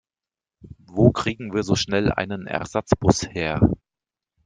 Wo kriegen wir so schnell einen Ersatzbus her?